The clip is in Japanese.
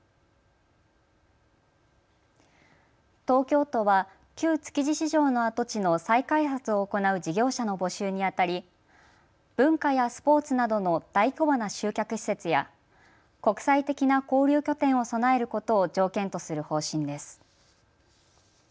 東京都は旧築地市場の跡地の再開発を行う事業者の募集にあたり文化やスポーツなどの大規模な集客施設や国際的な交流拠点を備えることを条件とする方針です。